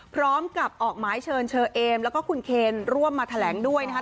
พร้อมกับออกหมายเชิญเชอเอมแล้วก็คุณเคนร่วมมาแถลงด้วยนะครับ